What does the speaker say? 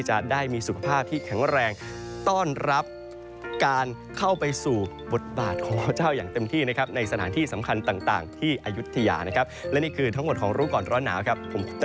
จนดันพิสิทธิ์มหันสวัสดีครับ